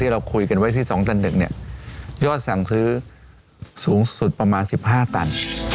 ที่เราคุยกันไว้ที่สองตั้นหนึ่งเนี่ยยอดสั่งซื้อสูงสุดประมาณสิบห้าตัน